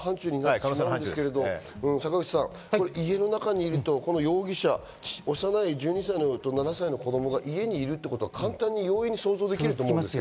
坂口さん、家の中にいると容疑者、幼い１２歳と７歳の子供が家にいるということは容易に想像できると思います。